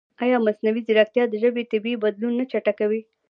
ایا مصنوعي ځیرکتیا د ژبې طبیعي بدلون نه چټکوي؟